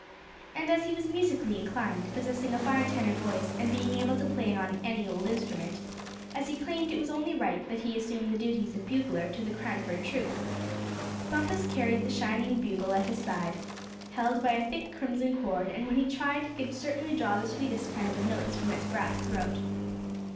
And as he was musically inclined, possessing a fine tenor voice, and being able to play on "any old instrument," as he claimed it was only right that he assume the duties of bugler to the Cranford Troop. Bumpus carried the shining bugle at his side, held by a thick crimson cord; and when he tried he could certainly draw the sweetest kind of notes from its brass throat.